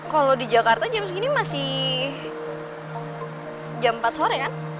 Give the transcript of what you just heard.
kalau di jakarta jam segini masih jam empat sore kan